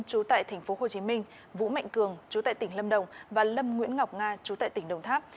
trú tại tp hcm vũ mạnh cường chú tại tỉnh lâm đồng và lâm nguyễn ngọc nga chú tại tỉnh đồng tháp